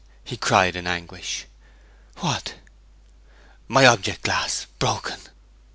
he cried in anguish. 'What?' 'My object glass broken!'